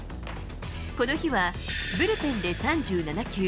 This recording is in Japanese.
この日はブルペンで３７球。